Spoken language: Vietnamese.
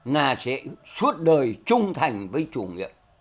nga sẽ suốt đời trung thành với chúng ta